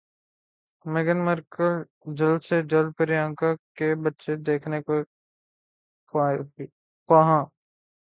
میگھن Markle جلد سے جلد پریانکا کے بچے دیکھنے کی خواہاں